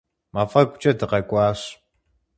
Мафӏэгукӏэ дыкъакӏуащ.